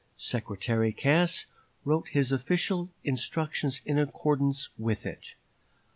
Secretary Cass wrote his official instructions in accordance with it.